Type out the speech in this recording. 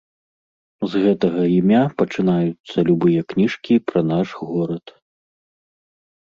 З гэтага імя пачынаюцца любыя кніжкі пра наш горад.